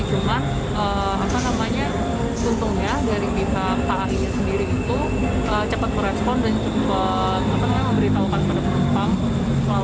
cuman apa namanya untungnya dari pihak pak ari sendiri itu cepat merespon dan cepat memberitahukan kepada penumpang